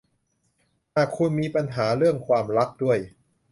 หากคุณมีปัญหาเรื่องความรักด้วย